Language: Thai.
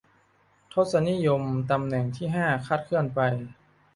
ทศนิยมตำแหน่งที่ห้าคลาดเคลื่อนไป